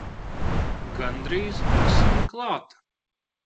Gandrīz esam klāt!